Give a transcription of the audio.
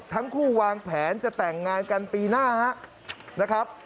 ทั้งคู่วางแผนจะแต่งงานกันปีหน้านะครับ